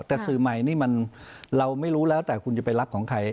แต่สื่อใหม่นี่มันเราไม่รู้แล้วแต่คุณจะไปรักของใคร